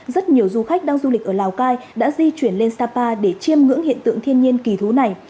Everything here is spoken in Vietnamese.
rất nhiều du khách đang du lịch ở lào cai đã di chuyển lên sapa để chiêm ngưỡng hiện tượng thiên nhiên kỳ thú này